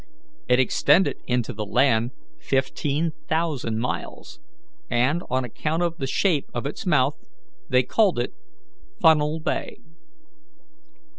It extended into the land fifteen thousand miles, and, on account of the shape of its mouth, they called it Funnel Bay.